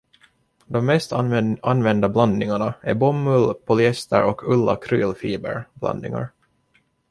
De mest använda blandningarna är bomull-polyester och ull-akrylfiber blandningar.